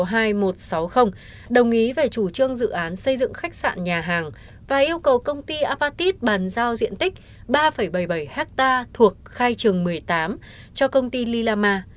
ubnd tỉnh lào cai đã ban hành văn bản số hai nghìn một trăm sáu mươi đồng ý về chủ trương dự án xây dựng khách sạn nhà hàng và yêu cầu công ty apatit bàn giao diện tích ba bảy mươi bảy ha thuộc khai trường một mươi tám cho công ty lillama